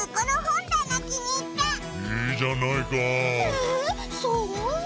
えそう？